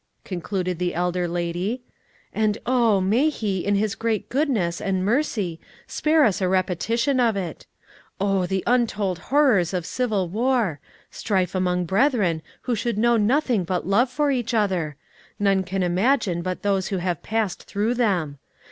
concluded the elder lady; "and oh, may He, in His great goodness and mercy, spare us a repetition of it. Oh, the untold horrors of civil war strife among brethren who should know nothing but love for each other none can imagine but those who have passed through them!